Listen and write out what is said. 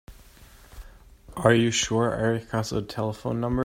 Are you sure Erik has our telephone number?